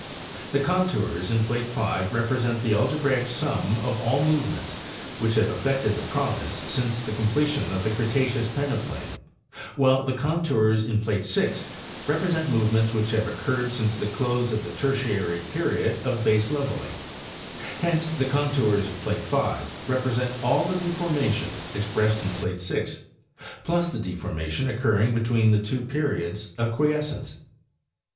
The contours in plate 5 represent the algebraic sum of all movements which have affected the province since the comple tion of the Cretaceous peneplain, while the contours in plate 6 represent movements which have occurred since the close of the Tertiary period of baseleveling; hence the contours of plate 5 represent. all the deformation expressed in plate 6 plus the de formation occurring between the two periods of quiescence.